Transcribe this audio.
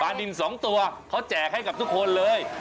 ดิน๒ตัวเขาแจกให้กับทุกคนเลย